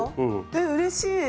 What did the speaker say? えっうれしい！